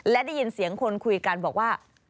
และได้ยินเสียงคนคุยกันบอกว่า